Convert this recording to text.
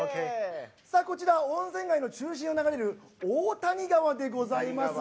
こちら温泉街の中心を流れる大渓川でございます。